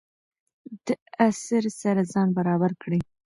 د عصر سره ځان برابر کړئ.